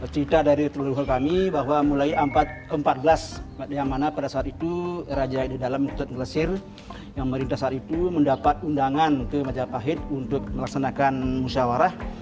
cerita dari teluruh kami bahwa mulai ke empat belas pada saat itu raja di dalam ketut ngelesir yang merintas saat itu mendapat undangan ke majapahit untuk melaksanakan musyawarah